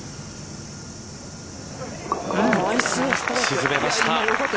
沈めました。